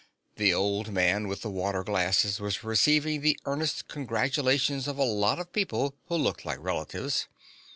The old man with the water glasses was receiving the earnest congratulations of a lot of people who looked like relatives.